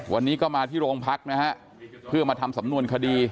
วันนี้ก็มาที่โรงพักนะฮะเพื่อมาทำสำนวนคดี